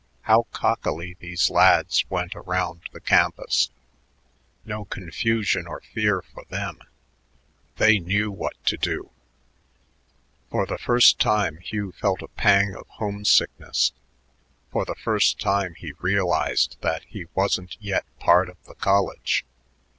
How cockily these lads went around the campus! No confusion or fear for them; they knew what to do. For the first time Hugh felt a pang of homesickness; for the first time he realized that he wasn't yet part of the college.